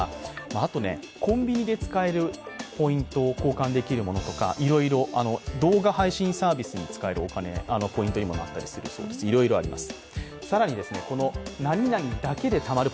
あと、コンビニで使えるポイントを交換できるものとか、動画配信サービスに使えるポイントにもなったりするとそうです、いろいろあります。